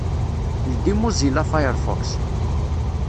Ldi Mozilla Firefox.